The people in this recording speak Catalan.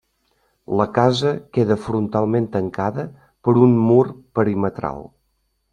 La casa queda frontalment tancada per un mur perimetral.